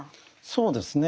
そうですね。